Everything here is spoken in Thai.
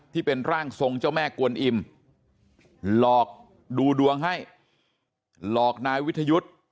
ที่เป็นร่างทรงเจ้าแม่กวนอิ่มหลอกดูดวงให้หลอกนายวิทยุทธ์